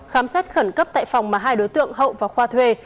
khám xét khẩn cấp tại phòng mà hai đối tượng hậu và khoa thuê